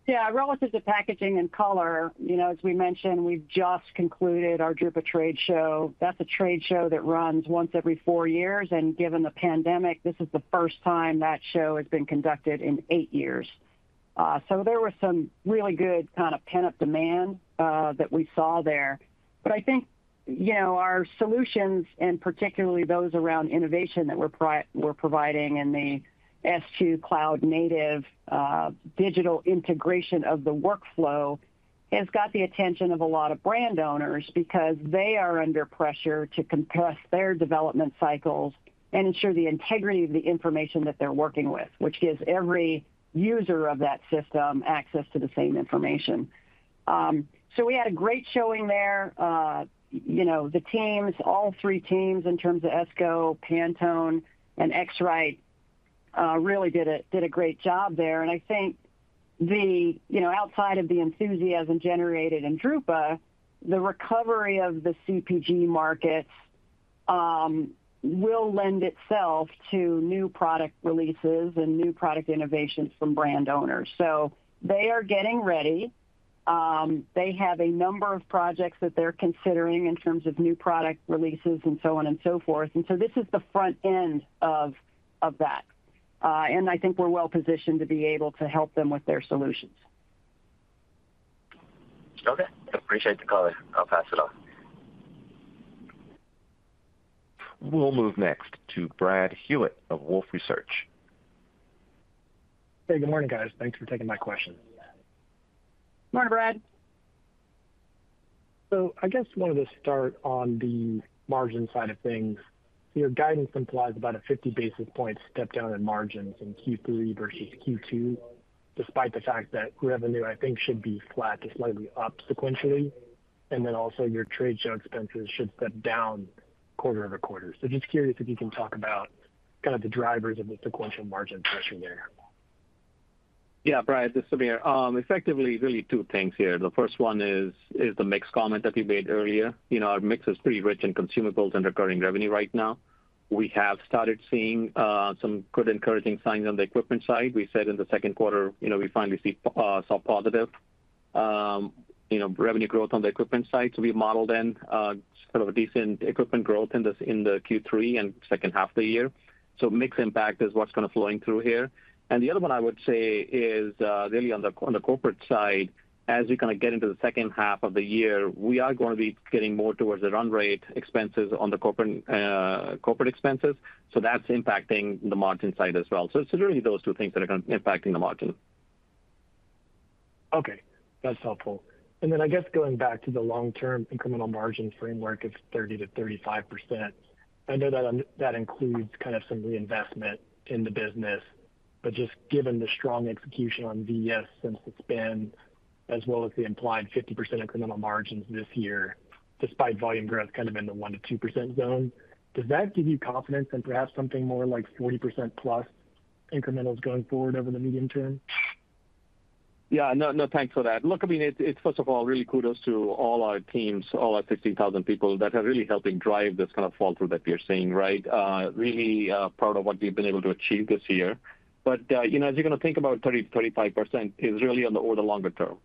Yeah, relative to packaging and color, you know, as we mentioned, we've just concluded our drupa trade show. That's a trade show that runs once every four years, and given the pandemic, this is the first time that show has been conducted in eight years. So there was some really good kind of pent-up demand that we saw there. But I think, you know, our solutions, and particularly those around innovation that we're providing in the S2 Cloud native digital integration of the workflow, has got the attention of a lot of brand owners because they are under pressure to compress their development cycles and ensure the integrity of the information that they're working with, which gives every user of that system access to the same information. So we had a great showing there. You know, the teams, all three teams, in terms of Esko, Pantone, and X-Rite, really did a, did a great job there. And I think the, you know, outside of the enthusiasm generated in drupa, the recovery of the CPG markets, will lend itself to new product releases and new product innovations from brand owners. So they are getting ready. They have a number of projects that they're considering in terms of new product releases and so on and so forth. And so this is the front end of, of that, and I think we're well positioned to be able to help them with their solutions. Okay, I appreciate the color. I'll pass it off. We'll move next to Brad Hewitt of Wolfe Research. Hey, good morning, guys. Thanks for taking my questions. Morning, Brad. I guess wanted to start on the margin side of things. Your guidance implies about a 50 basis points step down in margins in Q3 versus Q2, despite the fact that revenue, I think, should be flat to slightly up sequentially, and then also your trade show expenses should step down quarter over quarter. Just curious if you can talk about kind of the drivers of the sequential margin pressure there. Yeah, Brad, this is Sameer. Effectively, really two things here. The first one is, is the mix comment that we made earlier. You know, our mix is pretty rich in consumables and recurring revenue right now. We have started seeing some good encouraging signs on the equipment side. We said in the second quarter, you know, we finally saw positive revenue growth on the equipment side. So we modeled in sort of a decent equipment growth in the Q3 and second half of the year. So mix impact is what's kind of flowing through here. The other one I would say is, really on the corporate side, as we kind of get into the second half of the year, we are going to be getting more towards the run rate, expenses on the corporate, corporate expenses, so that's impacting the margin side as well. So it's really those two things that are kind of impacting the margin. Okay, that's helpful. Then I guess going back to the long-term incremental margin framework of 30%-35%, I know that that includes kind of some reinvestment in the business, but just given the strong execution on VS since it's been, as well as the implied 50% incremental margins this year, despite volume growth kind of in the 1%-2% zone, does that give you confidence in perhaps something more like 40% plus incrementals going forward over the medium term? Yeah, no, no, thanks for that. Look, I mean, it's first of all, really kudos to all our teams, all our 16,000 people that are really helping drive this kind of fall through that we are seeing, right? Really, proud of what we've been able to achieve this year. But, you know, as you're gonna think about 30%-35% is really over the longer term,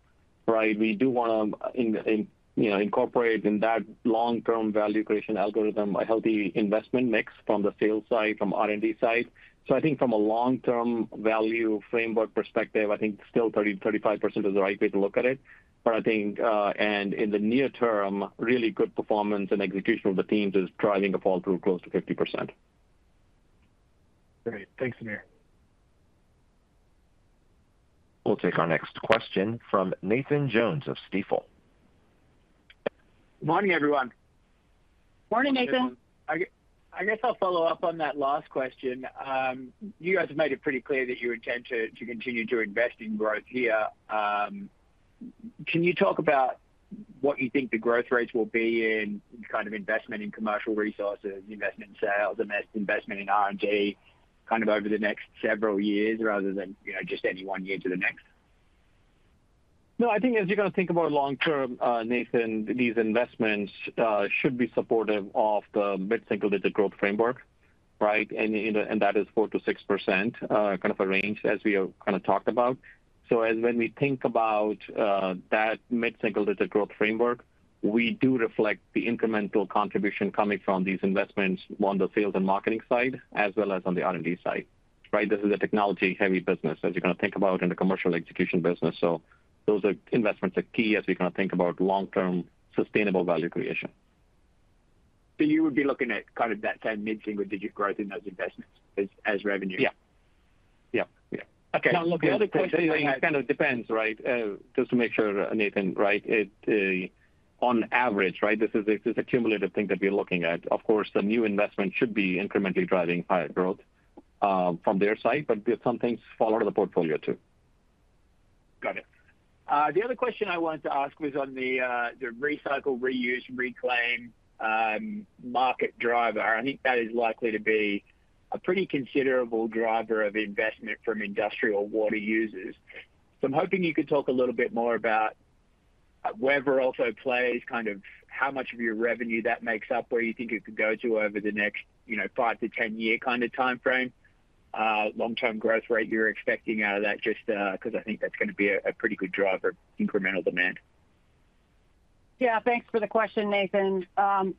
right? We do wanna, you know, incorporate in that long-term value creation algorithm, a healthy investment mix from the sales side, from R&D side. So I think from a long-term value framework perspective, I think still 30%-35% is the right way to look at it. I think in the near term, really good performance and execution of the teams is driving a fall through close to 50%. Great. Thanks, Sameer. We'll take our next question from Nathan Jones of Stifel. Morning, everyone. Morning, Nathan. I guess I'll follow up on that last question. You guys have made it pretty clear that you intend to continue to invest in growth here. Can you talk about what you think the growth rates will be in kind of investment in commercial resources, investment in sales, investment in R&D, kind of over the next several years rather than, you know, just any one year to the next? No, I think as you're gonna think about long term, Nathan, these investments should be supportive of the mid-single-digit growth framework, right? And, you know, and that is 4%-6%, kind of a range as we have kind of talked about. So as when we think about that mid-single-digit growth framework, we do reflect the incremental contribution coming from these investments on the sales and marketing side, as well as on the R&D side, right? This is a technology-heavy business, as you're gonna think about in the commercial execution business. So those are investments are key as we kind of think about long-term, sustainable value creation. So you would be looking at kind of that same mid-single-digit growth in those investments as, as revenue? Yeah. Okay. Now, look, the other question, it kind of depends, right? Just to make sure, Nathan, right, on average, right, this is, this is a cumulative thing that we're looking at. Of course, the new investment should be incrementally driving higher growth from their side, but there's some things fall out of the portfolio, too. Got it. The other question I wanted to ask was on the recycle, reuse, reclaim market driver. I think that is likely to be a pretty considerable driver of investment from industrial water users. So I'm hoping you could talk a little bit more about where Veralto plays, kind of how much of your revenue that makes up, where you think it could go to over the next, you know, five to ten year kind of time frame, long-term growth rate you're expecting out of that, just because I think that's gonna be a pretty good driver of incremental demand. Yeah, thanks for the question, Nathan.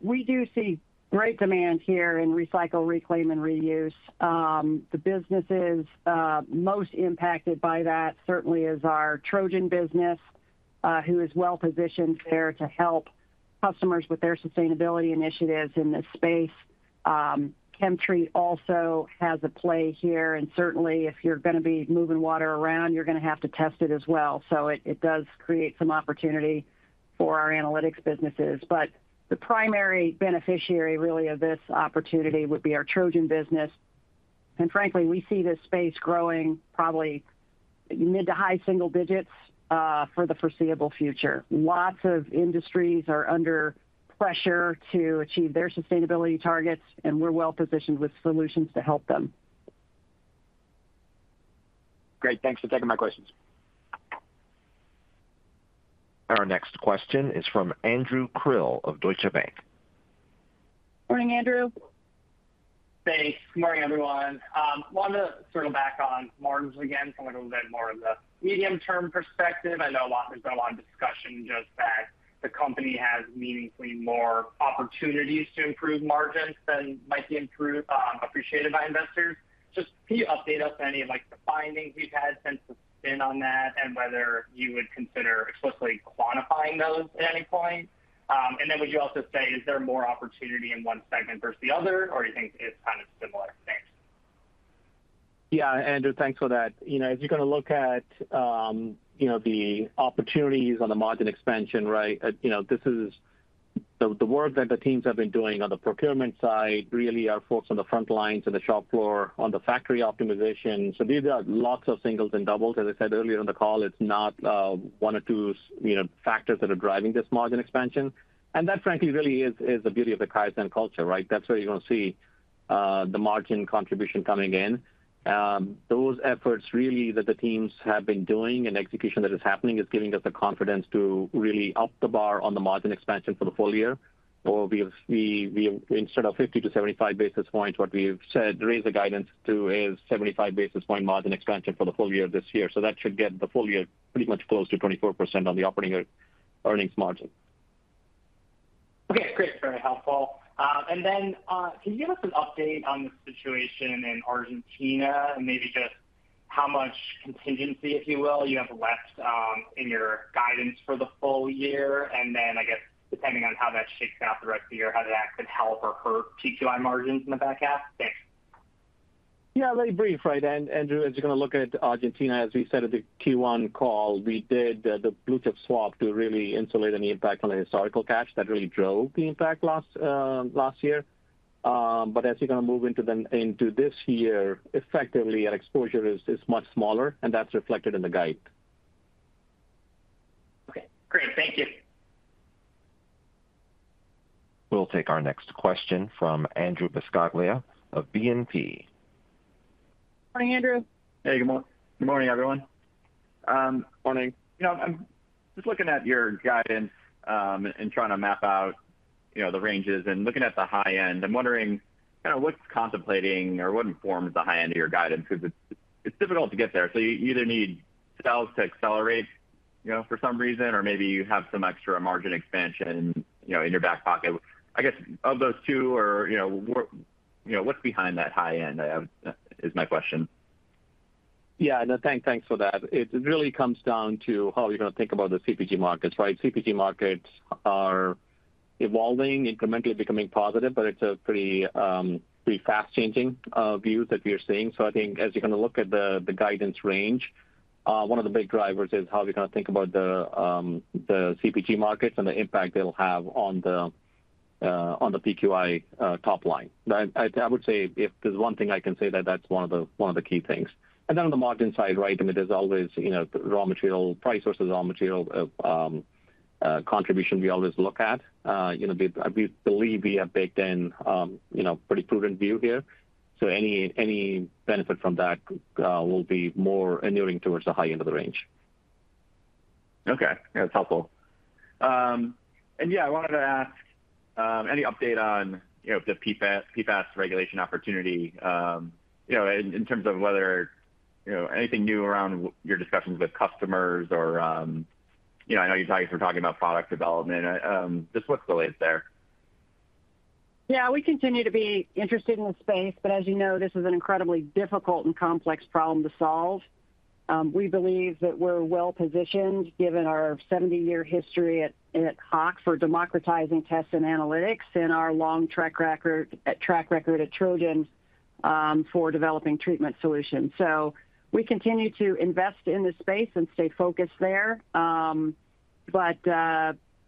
We do see great demand here in recycle, reclaim, and reuse. The businesses most impacted by that certainly is our Trojan business, who is well-positioned there to help customers with their sustainability initiatives in this space. ChemTreat also has a play here, and certainly, if you're gonna be moving water around, you're gonna have to test it as well. So it does create some opportunity for our analytics businesses. But the primary beneficiary, really, of this opportunity would be our Trojan business. And frankly, we see this space growing probably mid- to high-single-digits for the foreseeable future. Lots of industries are under pressure to achieve their sustainability targets, and we're well positioned with solutions to help them. Great, thanks for taking my questions. Our next question is from Andrew Krill of Deutsche Bank. Morning, Andrew. Thanks. Good morning, everyone. Wanted to circle back on margins again from a little bit more of the medium-term perspective. I know a lot—there's been a lot of discussion just that the company has meaningfully more opportunities to improve margins than might be improved, appreciated by investors. Just can you update us on any of, like, the findings you've had since the spin on that, and whether you would consider explicitly quantifying those at any point? And then would you also say, is there more opportunity in one segment versus the other, or do you think it's kind of similar? Thanks. Yeah, Andrew, thanks for that. You know, as you're gonna look at, you know, the opportunities on the margin expansion, right, you know, this is the work that the teams have been doing on the procurement side, really our folks on the front lines, on the shop floor, on the factory optimization. So these are lots of singles and doubles. As I said earlier in the call, it's not one or two, you know, factors that are driving this margin expansion, and that, frankly, really is the beauty of the Kaizen culture, right? That's where you're gonna see the margin contribution coming in. Those efforts, really, that the teams have been doing and execution that is happening, is giving us the confidence to really up the bar on the margin expansion for the full year. Or we've instead of 50-75 basis points, what we've said, raise the guidance to a 75 basis point margin expansion for the full year this year. So that should get the full year pretty much close to 24% on the operating year earnings margin. Okay, great. Very helpful. And then, can you give us an update on the situation in Argentina and maybe just how much contingency, if you will, you have left, in your guidance for the full year? And then, I guess, depending on how that shakes out the rest of the year, how that could help or hurt TQI margins in the back half? Thanks. Yeah, very brief, right, and Andrew, as you're gonna look at Argentina, as we said at the Q1 call, we did the blue chip swap to really insulate any impact on the historical cash that really drove the impact last year. But as you're gonna move into this year, effectively our exposure is much smaller, and that's reflected in the guide. Okay, great. Thank you. We'll take our next question from Andrew Buscaglia of BNP. Morning, Andrew. Hey, good morning, everyone. Morning. You know, I'm just looking at your guidance and trying to map out, you know, the ranges. Looking at the high end, I'm wondering, kind of, what's contemplating or what informs the high end of your guidance? 'Cause it's difficult to get there. So you either need sales to accelerate, you know, for some reason, or maybe you have some extra margin expansion, you know, in your back pocket. I guess, of those two or, you know, what, you know, what's behind that high end is my question. Yeah. No, thanks for that. It really comes down to how we're gonna think about the CPG markets, right? CPG markets are evolving, incrementally becoming positive, but it's a pretty fast-changing view that we are seeing. So I think as you're gonna look at the guidance range, one of the big drivers is how we kind of think about the CPG markets and the impact they'll have on the PQI top line. I would say if there's one thing I can say, that's one of the key things. And then on the margin side, right, I mean, there's always, you know, raw material price versus raw material contribution we always look at. You know, we believe we have baked in, you know, pretty prudent view here. Any benefit from that will be more accruing towards the high end of the range. Okay. Yeah, that's helpful. Yeah, I wanted to ask any update on, you know, the PFAS, PFAS regulation opportunity, you know, in terms of whether, you know, anything new around your discussions with customers? Or, you know, I know you guys were talking about product development. Just what's the latest there? Yeah, we continue to be interested in the space, but as you know, this is an incredibly difficult and complex problem to solve. We believe that we're well positioned, given our 70-year history at Hach for democratizing tests and analytics, and our long track record at Trojan for developing treatment solutions. So we continue to invest in this space and stay focused there. But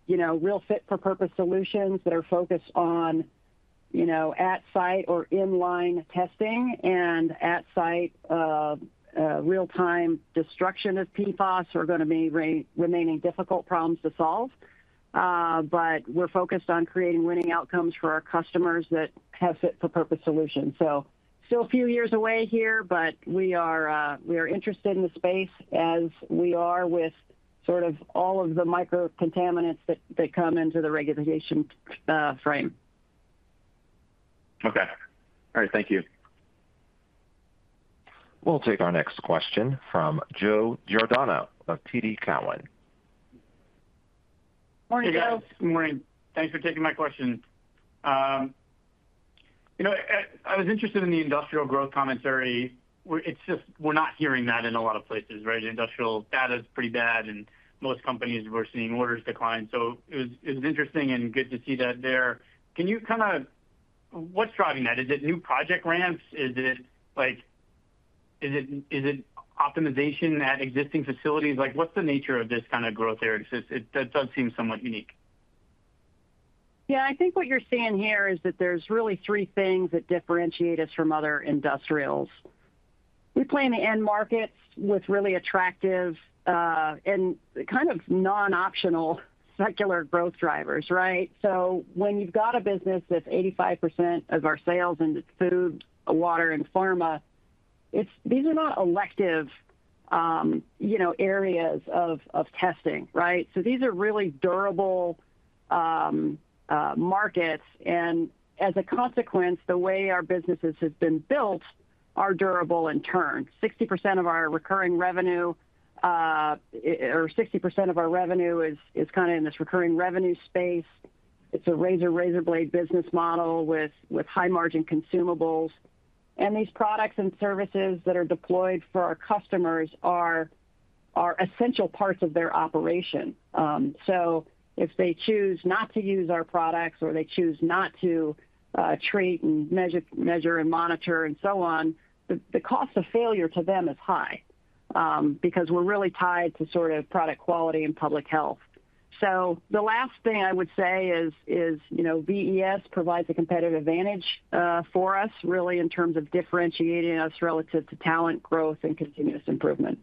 you know, real fit-for-purpose solutions that are focused on, you know, at-site or in-line testing and at-site real-time destruction of PFAS are gonna be remaining difficult problems to solve. But we're focused on creating winning outcomes for our customers that have fit-for-purpose solutions. So still a few years away here, but we are interested in the space as we are with sort of all of the microcontaminants that come into the regulation frame. Okay. All right. Thank you. We'll take our next question from Joe Giordano of TD Cowen. Morning, Joe. Hey, guys. Good morning. Thanks for taking my question. You know, I was interested in the industrial growth commentary. We're—it's just, we're not hearing that in a lot of places, right? The industrial data is pretty bad, and most companies, we're seeing orders decline, so it was, it was interesting and good to see that there. Can you kinda... What's driving that? Is it new project ramps? Is it, like, is it, is it optimization at existing facilities? Like, what's the nature of this kind of growth there? It's just, it, that does seem somewhat unique. Yeah. I think what you're seeing here is that there's really three things that differentiate us from other industrials. We play in the end markets with really attractive and kind of non-optional secular growth drivers, right? So when you've got a business that's 85% of our sales into food, water, and pharma, it's these are not elective, you know, areas of testing, right? So these are really durable markets, and as a consequence, the way our businesses have been built are durable in turn. 60% of our recurring revenue or 60% of our revenue is kind of in this recurring revenue space. It's a razor-razor blade business model with high-margin consumables. And these products and services that are deployed for our customers are essential parts of their operation. So if they choose not to use our products or they choose not to treat and measure and monitor and so on, the cost of failure to them is high, because we're really tied to sort of product quality and public health. So the last thing I would say is, you know, VES provides a competitive advantage for us, really, in terms of differentiating us relative to talent growth and continuous improvement.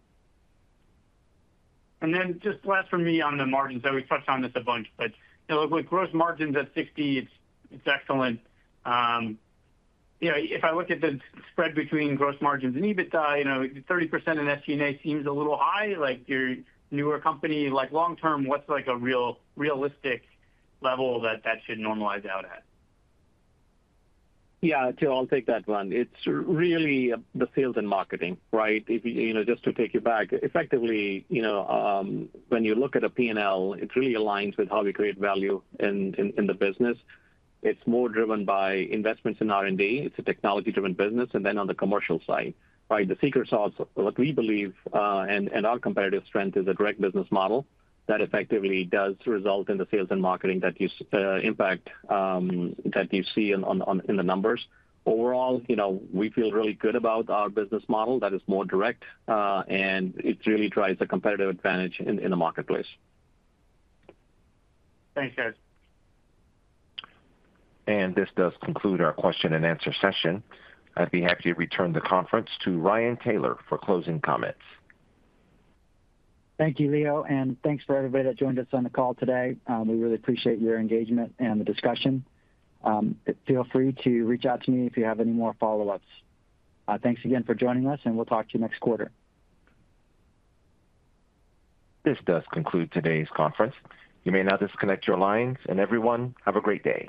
And then just last from me on the margins, so we touched on this a bunch, but, you know, with gross margins at 60%, it's, it's excellent. You know, if I look at the spread between gross margins and EBITDA, you know, 30% in SG&A seems a little high, like, you're a newer company. Like, long term, what's, like, a real realistic level that that should normalize out at? Yeah, Joe, I'll take that one. It's really the sales and marketing, right? If, you know, just to take you back, effectively, you know, when you look at a P&L, it really aligns with how we create value in, in, in the business. It's more driven by investments in R&D. It's a technology-driven business, and then on the commercial side, right? The secret sauce, what we believe, and, and our competitive strength is a direct business model that effectively does result in the sales and marketing that you impact that you see in, on, on, in the numbers. Overall, you know, we feel really good about our business model that is more direct, and it really drives a competitive advantage in, in the marketplace. Thanks, guys. This does conclude our question-and-answer session. I'd be happy to return the conference to Ryan Taylor for closing comments. Thank you, Leo, and thanks for everybody that joined us on the call today. We really appreciate your engagement and the discussion. Feel free to reach out to me if you have any more follow-ups. Thanks again for joining us, and we'll talk to you next quarter. This does conclude today's conference. You may now disconnect your lines, and everyone, have a great day.